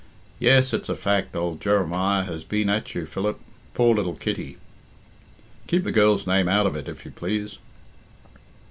"Yes, it's a fact, old Jeremiah has been at you, Philip. Poor little Kitty " "Keep the girl's name out of it, if you please."